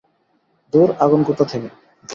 ধুর, আগুন কোথা থেকে?